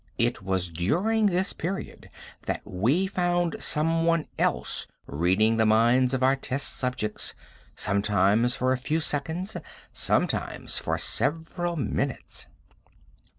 It was during this period that we found someone else reading the minds of our test subjects sometimes for a few seconds, sometimes for several minutes."